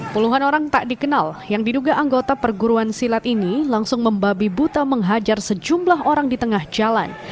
puluhan orang tak dikenal yang diduga anggota perguruan silat ini langsung membabi buta menghajar sejumlah orang di tengah jalan